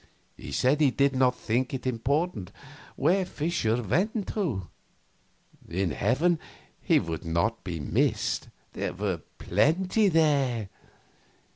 He said he did not think it important where Fischer went to; in heaven he would not be missed, there were "plenty there."